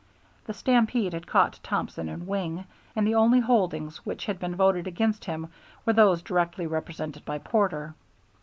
The stampede had caught Thompson and Wing, and the only holdings which had been voted against him were those directly represented by Porter.